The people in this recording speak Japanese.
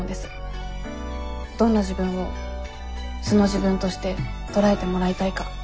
どんな自分を素の自分として捉えてもらいたいか。